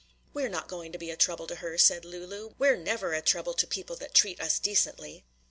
"We're not going to be a trouble to her," said Lulu, "we're never a trouble to people that treat us decently."